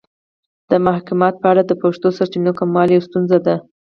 د محاکات په اړه د پښتو سرچینو کموالی یوه ستونزه ده